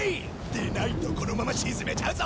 でないとこのまま沈めちゃうぞ！